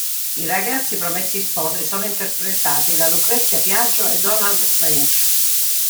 I ragazzi promessi sposi sono interpretati da Lucrezia Piaggio e Donald French.